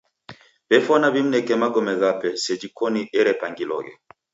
W'efwana w'imneke magome ghape seji koni erepangiloghe.